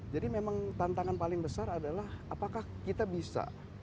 jadi memang tantangan paling besar adalah apakah kita bisa